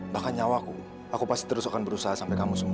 bahkan nyawaku aku pasti terus akan berusaha sampai kamu semua